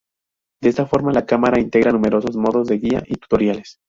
De esta forma la cámara integra numerosos modos de guía y tutoriales.